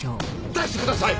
出してください！